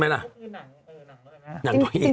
ใช่ไหมล่ะหนังตัวเหี้ย